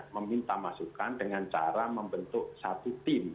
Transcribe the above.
meminta masukan dengan cara membentuk satu tim